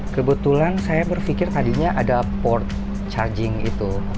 kebetulan saya berpikir tadinya ada port charging itu